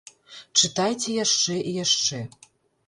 Чытайце яшчэ і яшчэ.